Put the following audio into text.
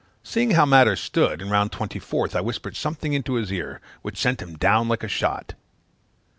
Seeing how matters stood, in round twenty fourth I whispered something into his ear, which sent him down like a shot.